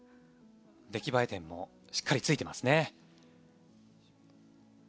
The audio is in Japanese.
出来栄え点もしっかりついていますね。